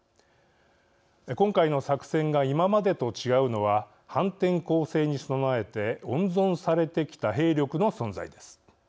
今回の作戦が今までと違うのは反転攻勢に備えて温存されてきた兵力の存在です。